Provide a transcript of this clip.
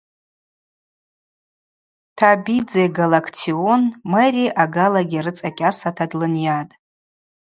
Табидзе Галактион Мери агалагьи рыцӏа кӏьасата длынйатӏ.